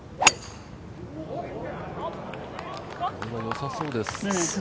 これも良さそうです。